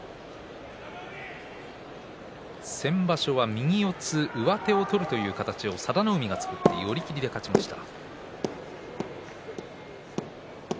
先場所は右四つ上手を取るという形を佐田の海が作って寄り切りで勝ちました。